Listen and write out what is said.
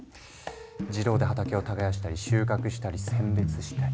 自動で畑を耕したり収穫したり選別したり。